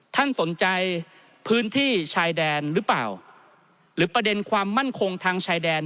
ท่านสนใจพื้นที่ชายแดนหรือเปล่าหรือประเด็นความมั่นคงทางชายแดน